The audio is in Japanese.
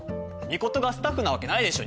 ミコトがスタッフなわけないでしょ。